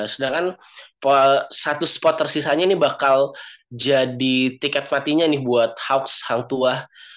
sedangkan satu spot tersisanya ini bakal jadi tiket matinya nih buat hawks hang tuah